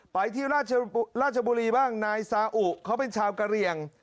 ไปที่ราชบุรีบ้างนายซาอุเขาเป็นชาวกะเหลี่ยง